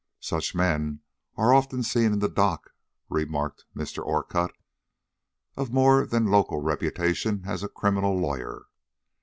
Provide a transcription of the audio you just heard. "Such men are often seen in the dock," remarked Mr. Orcutt, of more than local reputation as a criminal lawyer.